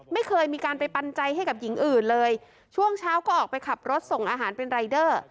ไม่เคยมีการไปปันใจให้กับหญิงอื่นเลยช่วงเช้าก็ออกไปขับรถส่งอาหารเป็นรายเดอร์